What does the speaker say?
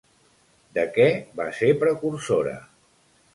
De què va ser precursora?